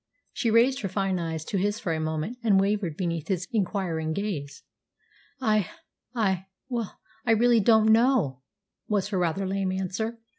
She raised her fine eyes to his for a moment, and wavered beneath his inquiring gaze. "I I well, I really don't know," was her rather lame answer.